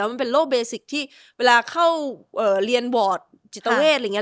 มันเป็นโรคเบสิคที่เวลาเข้าเรียนบอร์ดจิตเวทย์